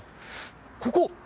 ここ？